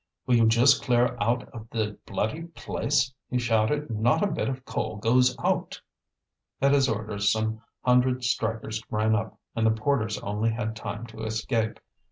"Will you just clear out of the bloody place!" he shouted. "Not a bit of coal goes out!" At his orders some hundred strikers ran up, and the porters only had time to escape.